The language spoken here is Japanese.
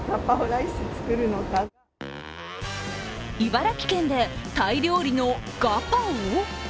茨城県でタイ料理のガパオ？